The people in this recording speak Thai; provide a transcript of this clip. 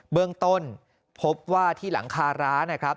เบื้องต้นพบว่าที่หลังคาร้า